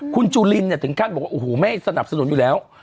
คุณจุลิ้นเนี่ยถึงทานบอกอู้หูแม่สนับสนุนยังอยู่แล้ว